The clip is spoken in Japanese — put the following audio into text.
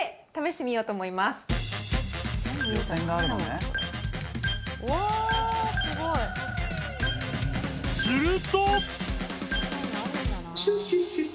［すると］